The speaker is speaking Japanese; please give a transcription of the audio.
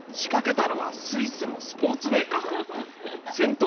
仕掛けたのはスイスのスポーツメーカー。